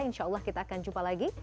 insya allah kita akan jumpa lagi